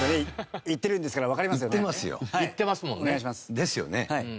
ですよね。